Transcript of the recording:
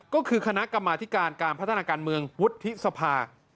ก็คือคณะกรรมาธิการการพัฒนาการเมืองวุฒิสภา